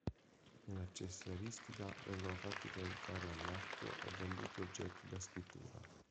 Nell'accessoristica, vengono fatti realizzare a marchio e venduti oggetti da scrittura.